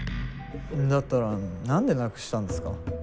だったら何でなくしたんですか？